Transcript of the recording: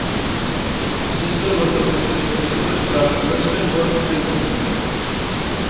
His sister was the feminist Elizabeth Clarke Wolstenholme Elmy.